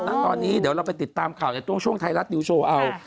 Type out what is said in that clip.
อ๋อตอนนี้เดี๋ยวเราไปติดตามข่าวจากตรงช่วงไทยรัตน์ยูโชว์เอา